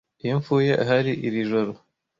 iyo mpfuye ahari iri joro